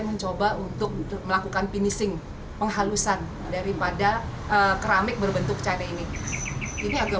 mencoba untuk melakukan finishing penghalusan daripada keramik berbentuk care ini ini agak